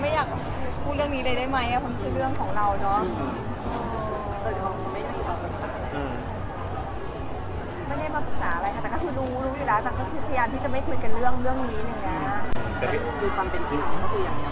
อยากอธิบาย